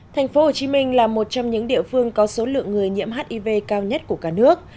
thành phố hồ chí minh là một trong những địa phương có số lượng người nhiễm hiv cao nhất của cả nước